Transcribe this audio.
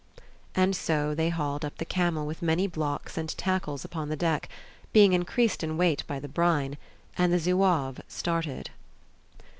And so they hauled up the camel with many blocks and tackles upon the deck, being increased in weight by the brine, and the Zouave started.